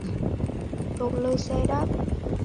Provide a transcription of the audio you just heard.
Cậu lơ xe đáp